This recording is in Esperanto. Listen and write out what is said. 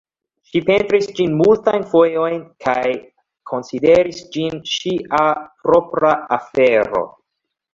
Ŝi pentris ĝin multajn fojojn kaj konsideris ĝin ŝia propra afero.